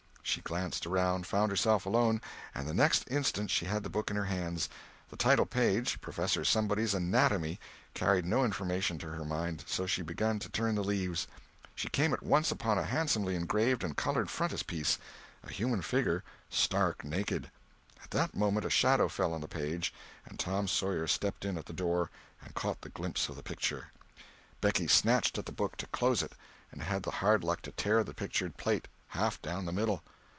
She glanced around; found herself alone, and the next instant she had the book in her hands. The titlepage—Professor Somebody's Anatomy—carried no information to her mind; so she began to turn the leaves. She came at once upon a handsomely engraved and colored frontispiece—a human figure, stark naked. At that moment a shadow fell on the page and Tom Sawyer stepped in at the door and caught a glimpse of the picture. Becky snatched at the book to close it, and had the hard luck to tear the pictured page half down the middle.